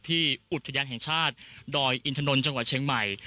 อุทยานแห่งชาติดอยอินทนนท์จังหวัดเชียงใหม่